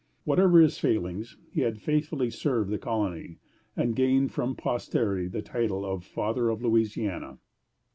Whatever his failings, he had faithfully served the colony, and gained from posterity the title of Father of Louisiana.